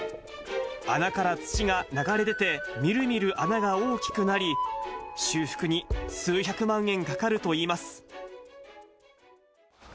穴から土が流れ出て、みるみる穴が大きくなり、修復に数百万円かかるといいます。